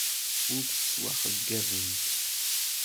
Ur tettwaxeyyabemt.